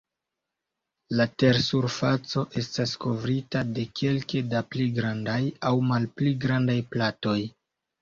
La tersurfaco estas kovrita de kelke da pli grandaj aŭ malpli grandaj platoj.